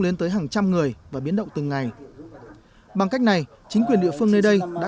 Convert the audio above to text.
lên tới hàng trăm người và biến động từng ngày bằng cách này chính quyền địa phương nơi đây đã